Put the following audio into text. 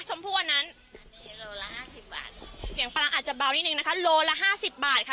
ชมผู้อันนั้นเสียงปลาลังอาจจะเบานิดหนึ่งนะคะโลล่ระห้าสิบบาทค่ะ